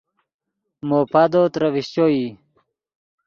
مو پادو ترے ڤیشچو ای